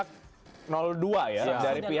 saksi dari ahli